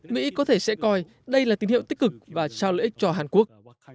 mỹ có thể sẽ coi đây là tín hiệu tích cực và trao lợi ích cho hàn quốc